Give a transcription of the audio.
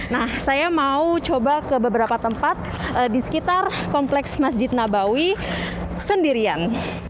nah saya mau coba ke beberapa tempat di sekitar kompleks masjid nabawi sendirian